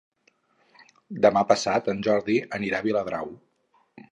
Demà passat en Jordi anirà a Viladrau.